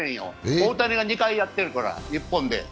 大谷が２回やってるから、日本で。